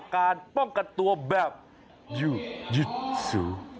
การป้องกันตัวแบบยืดสู